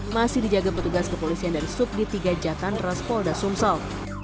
masih dijaga petugas kepolisian dari subdi tiga jatan ras polda sumsol